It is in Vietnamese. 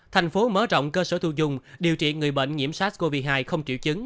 thành phố mở rộng cơ sở thu dung điều trị người bệnh nhiễm sars cov hai không triệu chứng